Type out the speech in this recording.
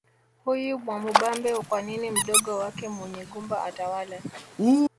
Huyu Mwamubambe kwa nini mdogo wake Munyigumba atawale